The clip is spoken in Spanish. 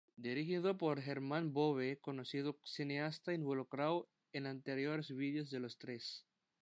Dirigido por Germán Bobe, conocido cineasta involucrado en anteriores videos de Los Tres.